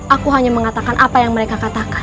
aku hanya mengatakan apa yang mereka katakan